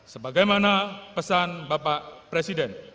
sebagaimana pesan bapak presiden